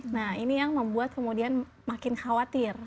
nah ini yang membuat kemudian makin khawatir